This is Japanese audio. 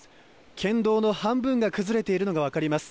県道の半分が崩れているのが分かります。